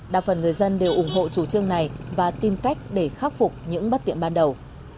đa phần người dân đều ủng hộ chủ trương này và tìm cách để khắc phục những bất tiện ban đầu